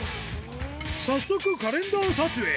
早速カレンダー撮影。